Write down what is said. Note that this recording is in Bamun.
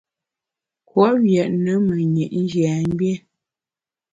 Kouop yètne menyit njiamgbié.